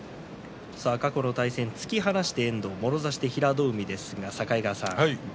過去の対戦、突き放して遠藤、もろ差しで平戸海です。